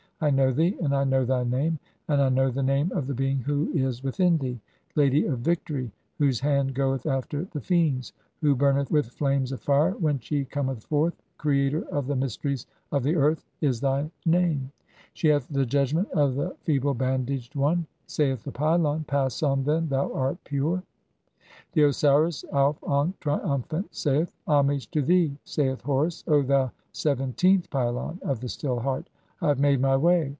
I know thee, and I know "thy name, and I know the name of the being who is (57) "within thee. 'Lady of victory, whose hand goeth after the "Fiends, who burnetii with flames of fire when she cometh forth, "creator of the mysteries of the earth', is thy name. She hath "the judgment of the (58) feeble bandaged one." [Saith the pylon :—] "Pass on, then, thou art pure." . XVII. (59) The Osiris Auf ankh, triumphant, saith :— "Homage to thee, saith Horus, O thou seventeenth pylon "of the Still Heart. I have made [my] way.